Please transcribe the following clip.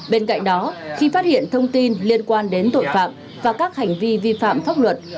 bên cạnh đó khi phát hiện thông tin liên quan đến tội phạm và các hành vi vi phạm pháp luật